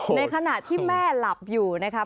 ในขณะที่แม่หลับอยู่นะครับ